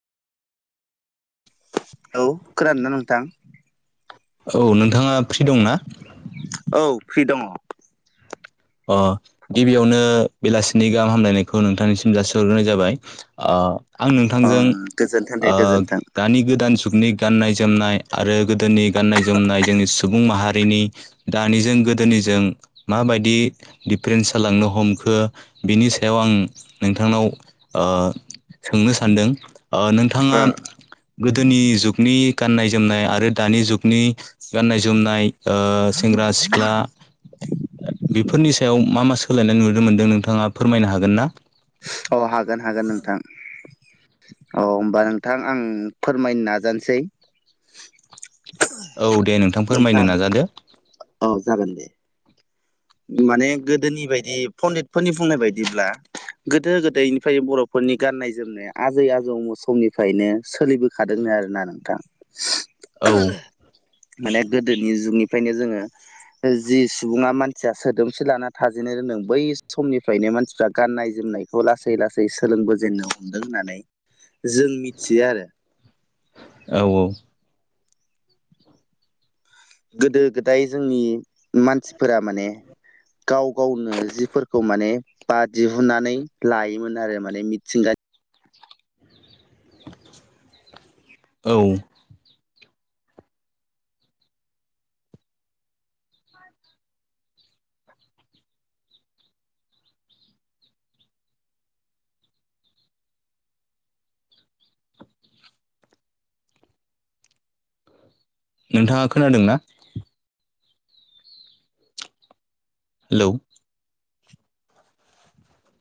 औ खोनादोंना नोंथां औ नोंथाङा फ्रि दंना औ फ्रि दङ' अ गिबियावनो बेलासिनि गाहाम हामलायनायखौ नोंथांनिसिम जासिहरग्रोनाय जाबाय ओ आं अ नोंथांजों गोजोन्थों दे ओ गोजोन्थों दानि गोदान जुगनि गाननाय जोमनाय आरो गोदोनि गाननाय जोमनाय जोंनि सुबुं माहारिनि दानिजों गोदोनिजों माबायदि दिफारेन्स जालांनो हमखो बिनि सायाव आं नोंथांनाव ओ सोंनो सानदों ओ नोंथाङा गोदोनि जुगनि गाननाय जोमनाय आरो दानि जुगनि गाननाय जोमनाय सेंग्रा सिख्ला फोरनि सायाव मा मा सोलायनाय नुनो मोन्दों नोंथाङा फोरमायनो हागोन ना औ हागोन हागोन नोंथां औ होमबा नोंथां आं फोरमायनो नाजानोसै औ दे नोंथां फोरमायनो नाजादो औ जागोन दे माने गोदोनि बायदि पण्डितफोरनि बुंनाय बायदिब्ला गोदो गोदायनिफ्राय बर'फोरनि गाननाय जोमनाया आजै आजौ समनिफ्रायनो सोलिबो खादोंनो आरोना नोंथां औ माने गोदोनि जुगनिफ्रायनो जोङो जि सुबुङा मान मानसिया सोदोमस्रि लाना थाजेननो रोंदों बै समनिफ्रायनो मानसिफ्रा गाननाय जोमनायखौ लासै लासै सै सोलोंबोजेननो हमदों होननानै जों मिथियो आरो औ औ गोदो गोदाय जोंनि मानसिफोरा माने गाव गावनो जिफोरखौ माने बा दिहुननानै लायोमोन आरो माने मिथिंगा औ नोंथाङा खोनादों ना हेलौ